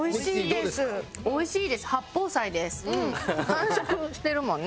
完食してるもんね